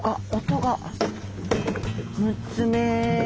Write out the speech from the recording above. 音が６つ目。